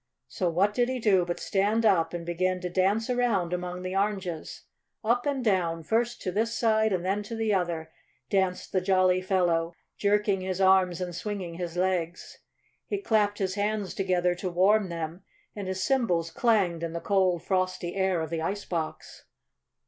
So what did he do but stand up and begin to dance around among the oranges. Up and down, first to this side and then to the other danced the jolly fellow, jerking his arms and swinging his legs. He clapped his hands together to warm them, and his cymbals clanged in the cold, frosty air of the ice box.